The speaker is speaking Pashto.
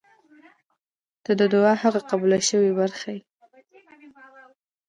• ته د دعا هغه قبل شوې برخه یې.